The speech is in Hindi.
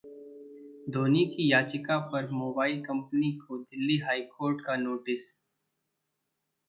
धोनी की याचिका पर मोबाइल कंपनी को दिल्ली हाईकोर्ट का नोटिस